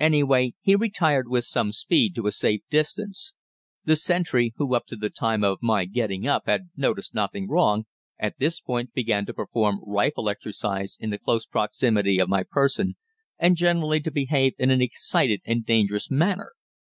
Anyway, he retired with some speed to a safe distance! The sentry, who up to the time of my getting up had noticed nothing wrong, at this point began to perform rifle exercise in the close proximity of my person, and generally to behave in an excited and dangerous manner.